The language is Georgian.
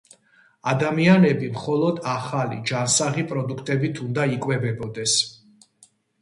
ადამიანები მხოლოდ ახალი ჯანსაღი პროდუქტებით უნდა იკვებებოდეს